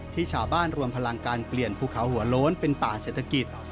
ที่ชาวบ้านรวมพลังการเปลี่ยนภูเขาหัวโล้นเป็นป่าเศรษฐกิจ